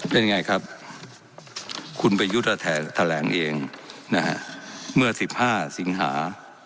เป็นไงครับคุณไปยุดละแถนแถลงเองนะฮะเมื่อสิบห้าสิงหา